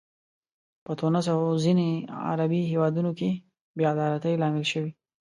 په تونس او ځینو عربي هیوادونو کې بې عدالتۍ لامل شوي.